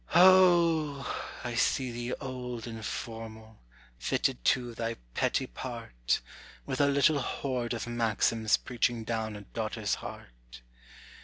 O, I see thee old and formal, fitted to thy petty part, With a little hoard of maxims preaching down a daughter's heart.